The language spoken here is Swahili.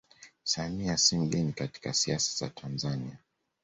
Samia si mgeni katika siasa za Tanzania